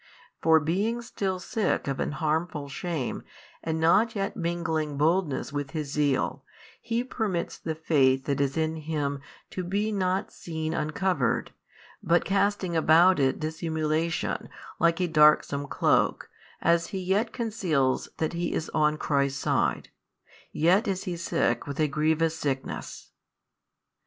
For being still sick of an harmful shame, and not yet mingling boldness with his zeal, he permits the faith that is in him to be not seen uncovered, but casting about it dissimulation like a darksome cloak, he as yet conceals that he is on Christ's side; yet is he sick with a grievous sickness.